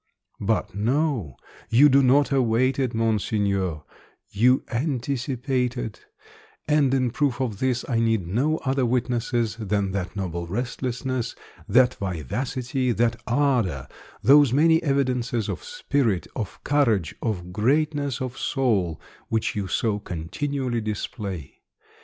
But, no; you do not await it, Monseigneur; you anticipate it; and in proof of this I need no other witnesses than that noble restlessness, that vivacity, that ardour, those many evidences of spirit, of courage, of greatness of soul, which you so continually display.